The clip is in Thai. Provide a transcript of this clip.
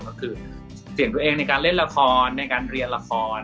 ก็คือเปลี่ยนตัวเองในการเล่นละครในการเรียนละคร